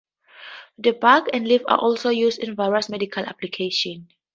The bark and leaves are also used in various medical applications.